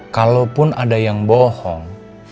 kalaupun ada yang bohong